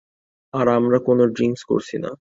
আর আমরা কোন ড্রিংকস করছি না।